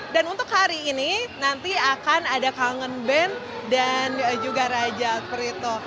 dan untuk hari ini nanti akan ada kangen band dan juga raja krito